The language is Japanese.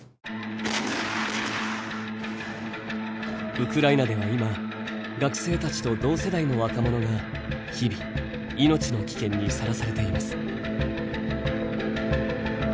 ウクライナでは今学生たちと同世代の若者が日々命の危険にさらされています。